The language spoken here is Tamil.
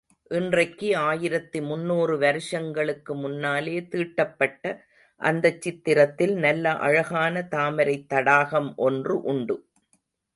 இன்றைக்கு ஆயிரத்து முந்நூறு வருஷங்களுக்கு முன்னாலே தீட்டப்பட்ட அந்தச் சித்திரத்தில் நல்ல அழகான தாமரைத் தடாகம் ஒன்று உண்டு.